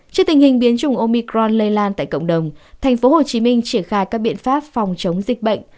trước tình hình biến chủng omicron lây lan tại cộng đồng tp hcm triển khai các biện pháp phòng chống dịch bệnh